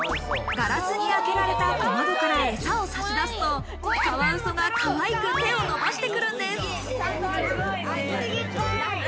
ガラスにあけられた小窓からえさを差し出すと、カワウソがかわいく手を伸ばしてくるんです。